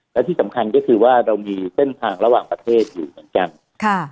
และที่สำคัญก็คือว่าเรามีเส้นทางระหว่างประเทศอยู่เหมือนกันค่ะ